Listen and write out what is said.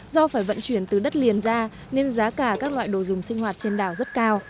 do phải vận chuyển từ đất liền ra nên giá cả các loại đồ dùng sinh hoạt trên đảo rất cao